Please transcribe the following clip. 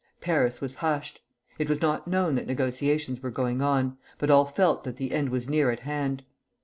Paris was hushed. It was not known that negotiations were going on, but all felt that the end was near at hand.